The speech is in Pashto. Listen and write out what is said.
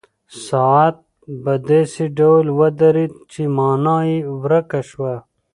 ساعت په داسې ډول ودرېد چې مانا یې ورکه شوه.